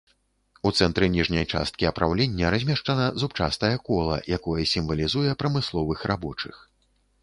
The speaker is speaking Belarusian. У цэнтры ніжняй часткі апраўлення размешчана зубчастае кола, якое сімвалізуе прамысловых рабочых.